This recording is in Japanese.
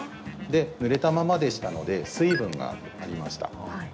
ぬれたままでしたので水分がありました。